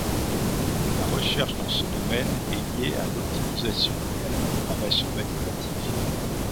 La recherche dans ce domaine est liée à l'optimisation et à la programmation mathématique.